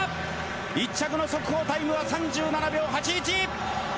１着の速報タイムは３７秒８１。